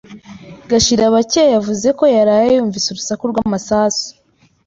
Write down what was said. Gashirabake yavuze ko yaraye yumvise urusaku rw'amasasu.